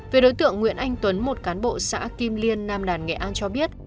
về đối tượng nguyễn anh tuấn một cán bộ xã kim liên nam đàn nghệ an cho biết